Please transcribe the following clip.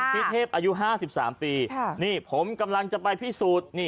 เทพอายุ๕๓ปีนี่ผมกำลังจะไปพิสูจน์